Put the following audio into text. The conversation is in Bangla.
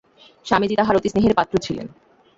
স্বামীজী তাঁহার অতি স্নেহের পাত্র ছিলেন।